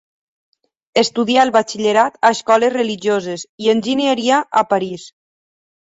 Estudià el batxillerat a escoles religioses i enginyeria a París.